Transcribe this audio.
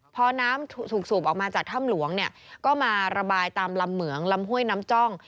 พอน้ำถูกสูบออกมาจากถ้ำหลวงเนี่ยก็มาระบายตามลำเหมืองลำห้วยน้ำจ้อง